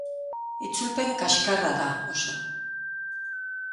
Itzulpen kaxkarra da, oso.